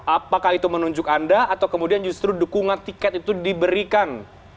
apakah itu menunjuk anda atau kemudian justru dukungan tiket itu diberikan